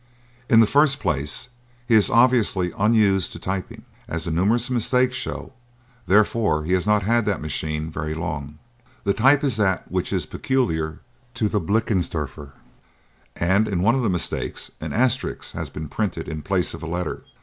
In the first place he is obviously unused to typing, as the numerous mistakes show; therefore he has not had the machine very long. The type is that which is peculiar to the Blickensderfer, and, in one of the mistakes, an asterisk has been printed in place of a letter.